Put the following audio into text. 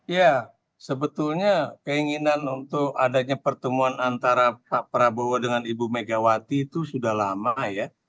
ya sebetulnya keinginan untuk adanya pertemuan antara pak prabowo dengan ibu megawati itu sudah lama ya